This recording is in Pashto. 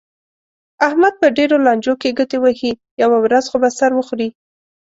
احمد په ډېرو لانجو کې ګوتې وهي، یوه ورځ خو به سر وخوري.